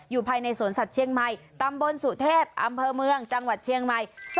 ภายในสวนสัตว์เชียงใหม่ตำบลสุเทพอำเภอเมืองจังหวัดเชียงใหม่